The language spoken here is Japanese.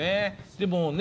でもね